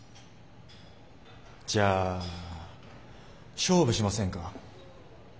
じゃあ勝負しませんか？